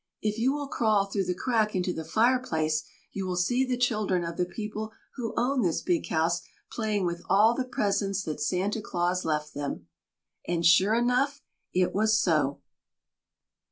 If you will crawl through the crack into the fireplace you will see the children of the people who own this big house playing with all the presents that Santa Claus left them!" And, sure enough, it was so!